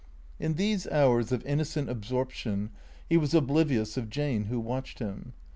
In these hours of innocent absorption he was oblivious of Jane who watched him.